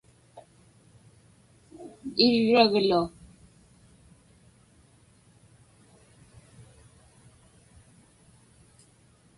iriglu